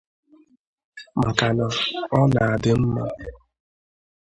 maka na ọ na-adị mma